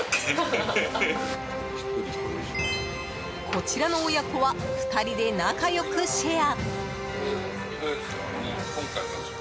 こちらの親子は２人で仲良くシェア。